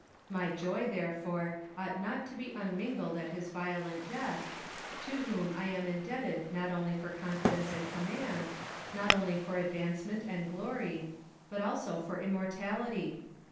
My joy, therefore, ought not to be unmingled at his violent death, to whom I am indebted not only for confidence and command, not only for advance ment and glory, but also for immortality.